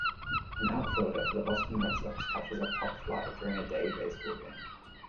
An outfielder for the Boston Red Sox catches a pop fly during a day baseball game.